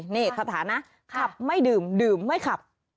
นี่คาถานะขับไม่ดื่มดื่มไม่ขับ